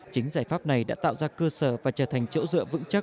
chính giải pháp này đã tạo ra cơ sở và trở thành chỗ dựa vững chắc